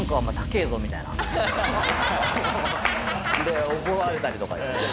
で怒られたりとかですね。